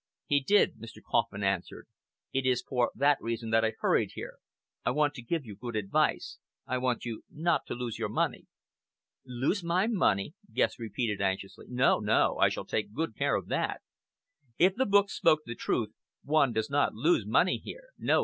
"He did," Mr. Kauffman answered. "It is for that reason that I hurried here. I want to give you good advice. I want you not to lose your money." "Lose my money," Guest repeated anxiously. "No! no! I shall take good care of that. If the books spoke the truth, one does not lose money here! No!